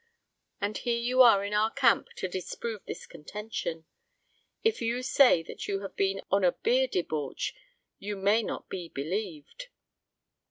And here you are in our camp to disprove this contention. If you say you have been on a beer debauch, you may not be believed."